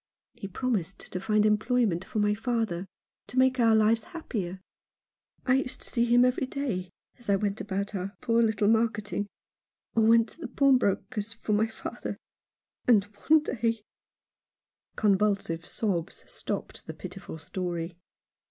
He promised to find employment for my father ; to make our lives happier. I used to see him every day as I went about our poor little marketing — or went to the pawnbroker's for my father — and one day " Convulsive sobs stopped the pitiful story.